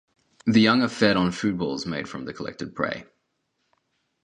The young are fed on foodballs made from the collected prey.